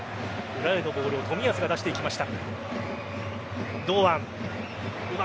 裏へのボールを冨安が出していきました。